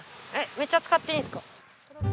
めちゃ使っていいんすか？